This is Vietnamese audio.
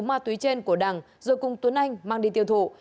hai gói ma túy trên của đằng rồi cùng tuấn anh mang đi tiêu thụ